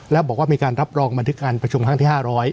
แล้วบอกว่ามีการรับรองบันทึกการประชุมครั้งที่๕๐๐